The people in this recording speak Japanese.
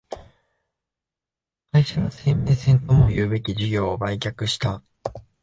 会社の生命線ともいうべき事業を売却した